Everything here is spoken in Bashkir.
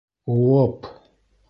У-о-оп!